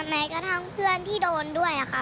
แม้กระทั่งเพื่อนที่โดนด้วยค่ะ